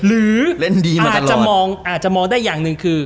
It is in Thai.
หรืออาจจะมองได้อย่างนึงคือ